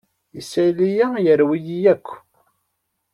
Isali-a yerwi-yi akk.